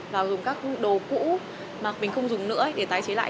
và dùng các đồ cũ mà mình không dùng nữa để tái chế lại